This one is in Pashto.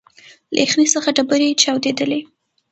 له یخنۍ څخه ډبري چاودېدلې